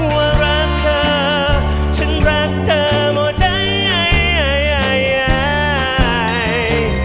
ว่ารักเธอฉันรักเธอหมดใจยาย